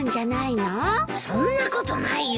そんなことないよ。